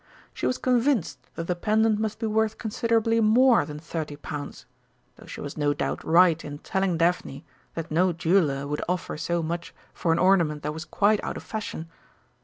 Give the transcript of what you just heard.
She was convinced that the pendant must be worth considerably more than thirty pounds, though she was no doubt right in telling Daphne that no jeweller would offer so much for an ornament that was quite out of fashion.